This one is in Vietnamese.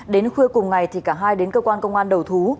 đến khuya cùng ngày thì cả hai đến cơ quan công an đầu thú